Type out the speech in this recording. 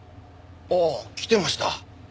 ああ来てました。